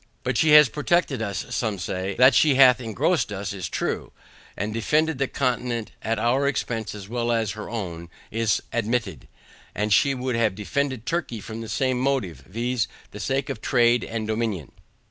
But she has protected us, say some. That she hath engrossed us is true, and defended the continent at our expence as well as her own is admitted, and she would have defended Turkey from the same motive, viz. the sake of trade and dominion.